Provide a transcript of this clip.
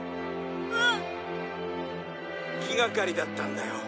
「うん」「気がかりだったんだよ」